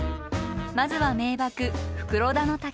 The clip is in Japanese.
まずは名瀑袋田の滝へ。